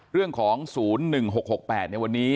เรื่องของ๐๑๖๖๘ในวันนี้